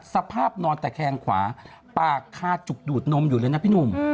สภาพนอนตะแคงขวาปากคาจุกดูดนมอยู่เลยนะพี่หนุ่ม